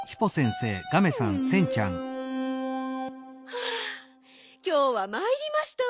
はあきょうはまいりましたわ。